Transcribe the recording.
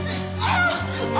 ああ。